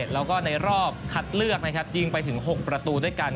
แล้วก็ในรอบคัดเลือกนะครับยิงไปถึง๖ประตูด้วยกัน